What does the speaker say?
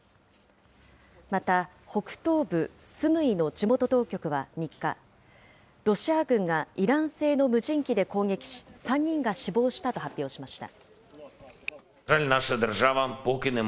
また、北東部スムイの地元当局は３日、ロシア軍がイラン製の無人機で攻撃し、３人が死亡したと発表しました。